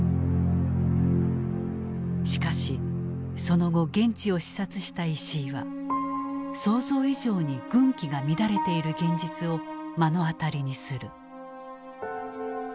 しかしその後現地を視察した石井は想像以上に軍紀が乱れている現実を目の当たりにする。